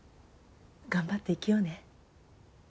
頑張って生きようね。